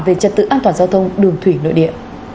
về trật tự an toàn giao thông đường thủy nội địa